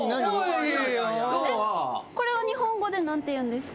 これは日本語で何ていうんですか？